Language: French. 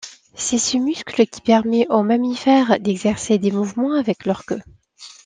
C'est ce muscle qui permet aux mammifères d'exercer des mouvements avec leur queue.